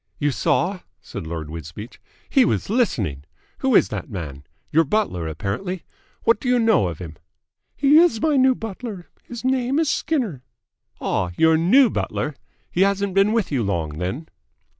"You saw?" said Lord Wisbeach. "He was listening. Who is that man? Your butler apparently. What do you know of him?" "He is my new butler. His name is Skinner." "Ah, your new butler? He hasn't been with you long, then?"